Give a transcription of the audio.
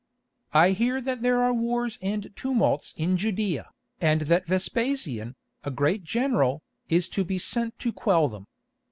"I hear that there are wars and tumults in Judæa, and that Vespasian, a great general, is to be sent to quell them.